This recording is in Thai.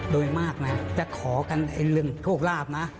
โดยมากนะจะขอกันเรื่องโชคลาภนะ